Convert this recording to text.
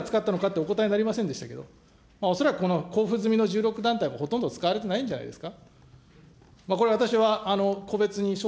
先ほど、いくら使ったのかってお答えになりませんでしたけど、恐らくこの交付済みの１６団体もほとんど使われてないんじゃないんですか。